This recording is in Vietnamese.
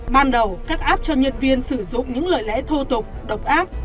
ban đầu các app cho nhân viên sử dụng những lời lẽ thô tục độc áp